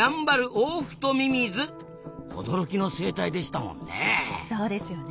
驚きの生態でしたもんね。